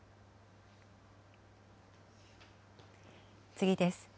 次です。